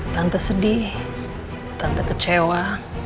tante sedih tante kecewa